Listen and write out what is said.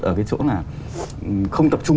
ở cái chỗ là không tập trung